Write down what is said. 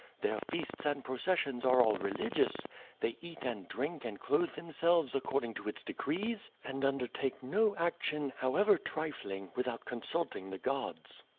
Their feasts and processions are all religious, they eat and drink and clothe themselves according to its decrees, and undertake no action, however trifling, without consulting the gods.